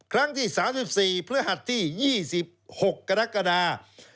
ครั้งที่๓๔เพื่อหัดที่๒๖กรกฎา๒๕๖๐